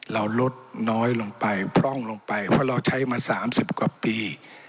เราลดน้อยลงไปพร่องลงไปเพราะเราใช้มา๓๐กว่าปี